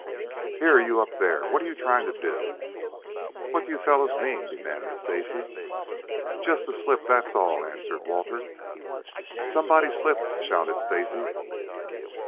"Here you, up there! What are you trying to do?" "What do you fellows mean?" demanded Stacy. "Just a slip, that's all," answered Walter. "Somebody slipped," shouted Stacy.